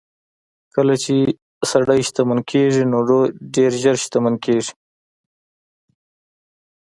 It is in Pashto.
کله چې سړی شتمن کېږي نو ډېر ژر شتمن کېږي.